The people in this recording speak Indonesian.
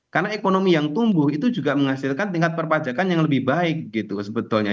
karena ekonomi yang tumbuh itu juga menghasilkan tingkat perpajakan yang lebih baik gitu sebetulnya